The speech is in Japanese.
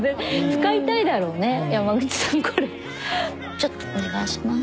ちょっとお願いします。